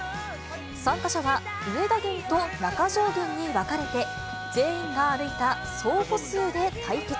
参加者は上田軍と中条軍に分かれて、全員が歩いた総歩数で対決。